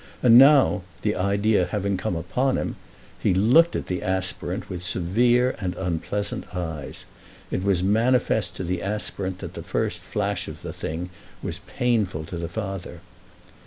And now, the idea having come upon him, he looked at the aspirant with severe and unpleasant eyes. It was manifest to the aspirant that the first flash of the thing was painful to the father.